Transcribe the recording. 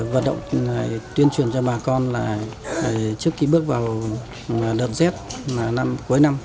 vận động tuyên truyền cho bà con trước khi bước vào đợt z cuối năm